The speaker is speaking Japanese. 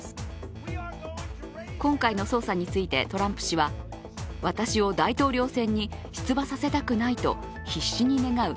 今回の捜査についてトランプ氏は私を大統領選に出馬させたくないと必死に願う